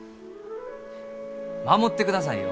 守ってくださいよ。